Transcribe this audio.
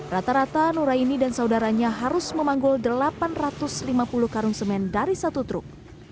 rata rata nuraini dan saudaranya harus memanggul delapan ratus lima puluh karung semen dari satu truk